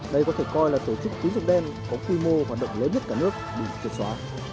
đây có thể coi là tổ chức tín dụng đen có quy mô hoạt động lớn nhất cả nước bị triệt xóa